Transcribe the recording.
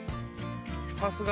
さすが。